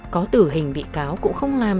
có tử hình bị cáo cũng không làm